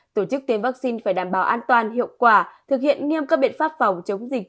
tổ chức tiêm vaccine phải đảm bảo an toàn hiệu quả thực hiện nghiêm các biện pháp phòng chống dịch